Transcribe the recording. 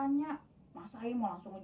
iya dah yang penting komisinya raya